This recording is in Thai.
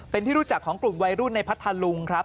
เป็นที่รู้จักของกลุ่มวัยรุ่นในพัทธลุงครับ